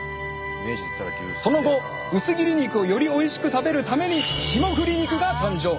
その後薄切り肉をよりおいしく食べるために霜降り肉が誕生。